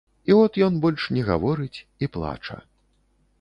І от ён больш не гаворыць і плача.